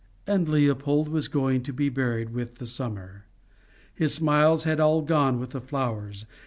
And Leopold was going to be buried with the summer. His smiles had all gone with the flowers.